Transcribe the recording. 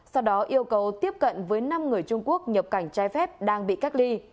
sau đó yêu cầu tiếp cận với năm người trung quốc nhập cảnh trái phép đang bị cách ly